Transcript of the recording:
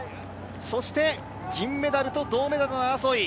そして、銀メダルと銅メダルの争い。